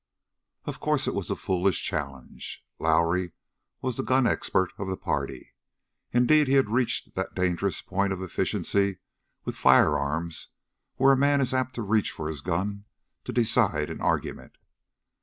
Of course it was a foolish challenge. Lowrie was the gun expert of the party. Indeed he had reached that dangerous point of efficiency with firearms where a man is apt to reach for his gun to decide an argument.